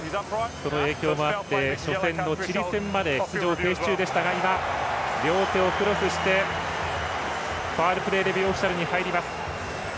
その影響もあって初戦のチリ戦まで出場停止中でしたが今、両手をクロスしてファールプレーオフィシャルに入ります。